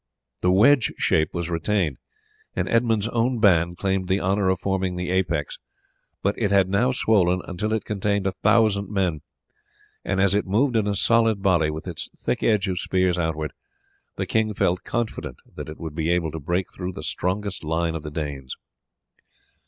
The wedge shape was retained, and Edmund's own band claimed the honour of forming the apex, but it had now swollen until it contained a thousand men, and as it moved in a solid body, with its thick edge of spears outward, the king felt confident that it would be able to break through the strongest line of the Danes.